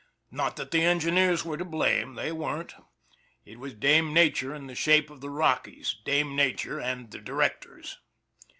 Not that the engineers were to blame they weren't. It was Dame Nature in the shape of the Rockies Dame Nature and the directors.